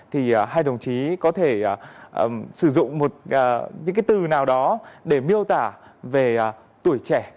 thì hai đồng chí có thể sử dụng những cái từ nào đó để miêu tả về tuổi trẻ